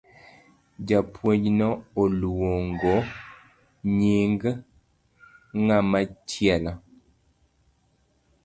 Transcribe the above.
Japuonj no luongo nying ngama chielo.